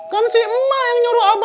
kan si emak yang nyuruh apa